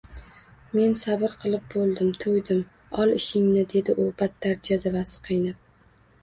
— Men sabr qilib bo‘ldim, to‘ydim, ol ishingni! — dedi u battar jazavasi qaynab.